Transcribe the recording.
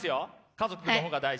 家族の方が大事？